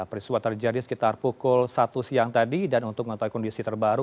peristiwa terjadi sekitar pukul satu siang tadi dan untuk mengetahui kondisi terbaru